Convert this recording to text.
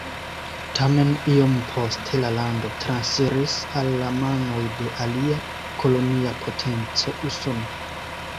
Tamen iom poste la lando transiris al la manoj de alia kolonia potenco Usono.